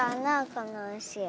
このうしは。